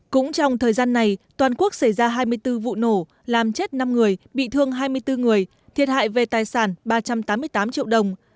cũng trong thời gian này toàn quốc xảy ra hai mươi bốn vụ nổ làm chết năm người bị thương hai mươi bốn người thiệt hại về tài sản ba trăm tám mươi tám triệu đồng